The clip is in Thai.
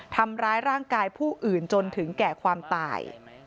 ทำร้ายร่างกายผู้อื่นจนถึงแก่ความตาย